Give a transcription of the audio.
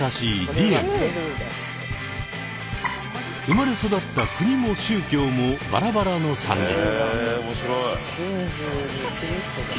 生まれ育った国も宗教もバラバラの３人。